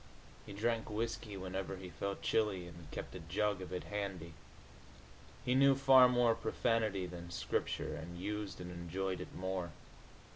He drank whisky whenever he felt chilly, and kept a jug of it handy. He knew far more profanity than Scripture, and used and enjoyed it more.